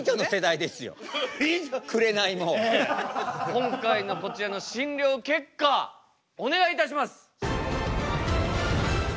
今回のこちらの診療結果お願いいたします。